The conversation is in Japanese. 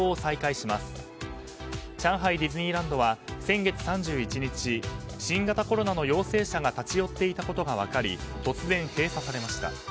ディズニーランドは先月３１日新型コロナの陽性者が立ち寄っていたことが分かり突然閉鎖されました。